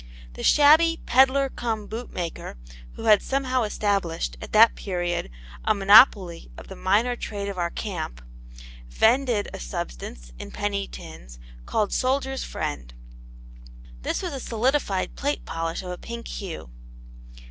The shabby peddler cum boot maker who had somehow established, at that period, a monopoly of the minor trade of our camp, vended a substance (in penny tins) called Soldier's Friend. This was a solidified plate polish of a pink hue.